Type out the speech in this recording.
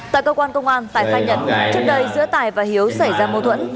tại cơ quan công an tài khai nhận trước đây giữa tài và hiếu xảy ra mâu thuẫn